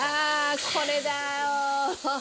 これだよ。